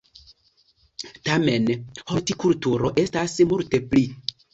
Tamen, "hortikulturo" estas multe pli.